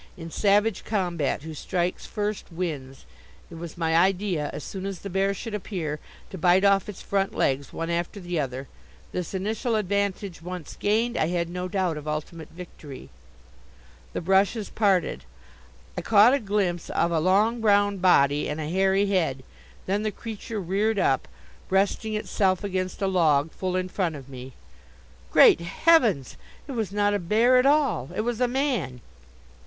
In savage combat who strikes first wins. It was my idea, as soon as the bear should appear, to bite off its front legs one after the other. This initial advantage once gained, I had no doubt of ultimate victory. The brushes parted. I caught a glimpse of a long brown body and a hairy head. Then the creature reared up, breasting itself against a log, full in front of me. Great heavens! It was not a bear at all. It was a man.